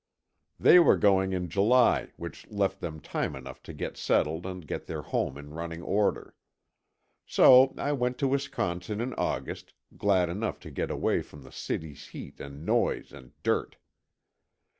They were going in July, which left them time enough to get settled and get their home in running order. So I went to Wisconsin in August, glad enough to get away from the city's heat and noise and dirt.